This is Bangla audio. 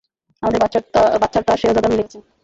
আমাদের বাচ্চার তার শেহজাদা মিলে গিছে।